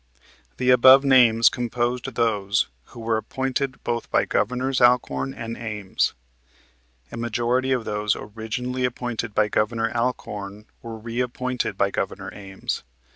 The above names composed those who were appointed both by Governors Alcorn and Ames. A majority of those originally appointed by Governor Alcorn were reappointed by Governor Ames.